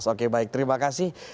oke baik terima kasih